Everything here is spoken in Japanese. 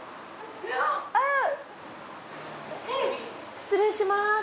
失礼します。